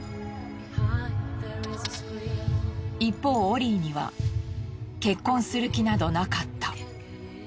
一方オリーには結婚する気などなかった。